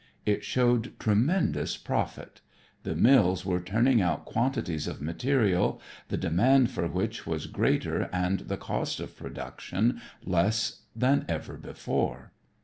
It showed tremendous profit. The mills were turning out quantities of material, the demand for which was greater and the cost of production less than ever before.